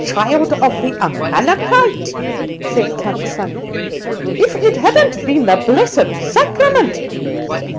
Child of the Amalekite!" said Tant Sannie, "if it hadn't been the blessed Sacrament.